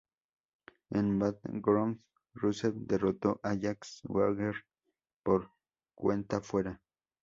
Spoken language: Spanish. En Battleground, Rusev derrotó a Jack Swagger por cuenta fuera.